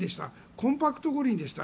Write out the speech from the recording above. コンパクト五輪でした。